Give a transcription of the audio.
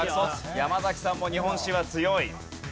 山崎さんも日本史は強い。